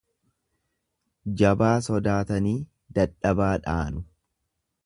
Jabaa sodaatanii dadhabaa dhaanu.